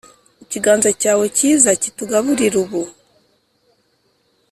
Ikiganza cyaqwwe cyiza kitugaburire ubu